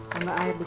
tambah air dikit